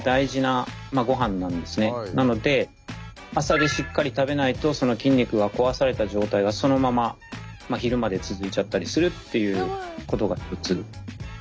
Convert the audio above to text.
なので朝でしっかり食べないとその筋肉が壊された状態がそのまま昼まで続いちゃったりするっていうことが一つ。